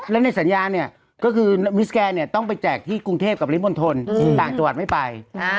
แล้วในสัญญาเนี่ยก็คือมิสแกนเนี่ยต้องไปแจกที่กรุงเทพกับริมณฑลต่างจังหวัดไม่ไป